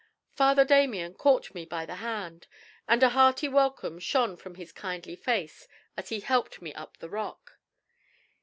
Father Damien caught me by the hand, and a hearty welcome shone from his kindly face as he helped me up the rock.